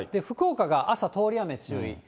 福岡が朝通り雨注意。